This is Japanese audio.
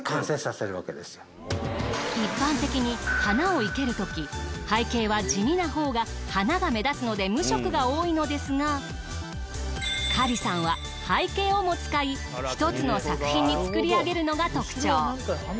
一般的に花を生けるとき背景は地味なほうが花が目立つので無色が多いのですがカリさんは背景をも使い１つの作品に作り上げるのが特徴。